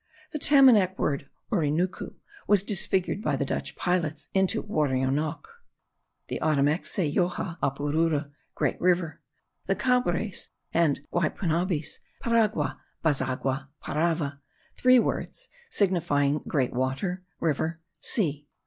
The Tamanac word Orinucu was disfigured by the Dutch pilots into Worinoque. The Otomacs say Joga apurura (great river); the Cabres and Guaypunabis, Paragua, Bazagua Parava, three words signifying great water, river, sea.